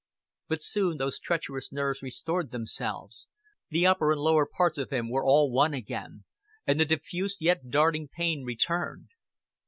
But soon those treacherous nerves restored themselves, the upper and lower parts of him were all one again, and the diffuse yet darting pain returned.